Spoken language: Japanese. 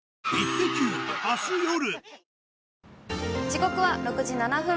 時刻は６時７分。